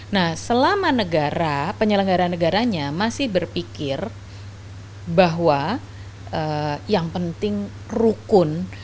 nah selama negara penyelenggara negaranya masih berpikir bahwa yang penting rukun